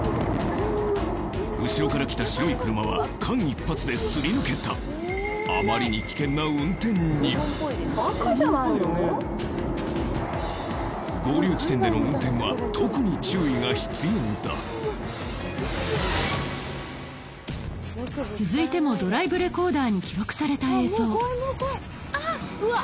後ろから来た白い車は間一髪ですり抜けたあまりに危険な運転に合流地点での運転は特に注意が必要だ続いてもドライブレコーダーに記録された映像うお！